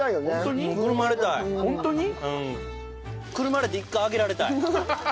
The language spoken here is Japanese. くるまれて一回揚げられたい。